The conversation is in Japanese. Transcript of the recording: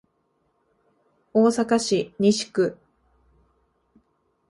大阪市西区